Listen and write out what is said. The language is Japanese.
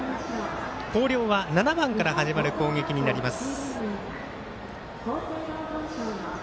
広陵は７番から始まる攻撃になります。